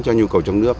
các nhu cầu trong nước